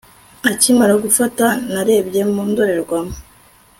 a nkimara gufata, narebye mu ndorerwamo